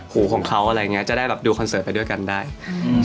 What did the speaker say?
หูของเขาอะไรอย่างเงี้จะได้แบบดูคอนเสิร์ตไปด้วยกันได้อืม